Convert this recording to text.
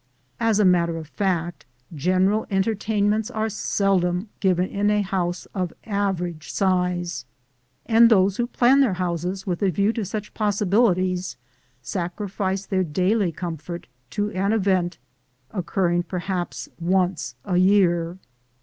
As a matter of fact, general entertainments are seldom given in a house of average size; and those who plan their houses with a view to such possibilities sacrifice their daily comfort to an event occurring perhaps once a year.